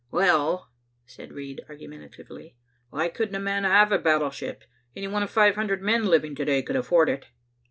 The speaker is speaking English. "Well," said Reid argumentatively, "why couldn't a man have a battleship? Any one of five hundred men living to day could afford it."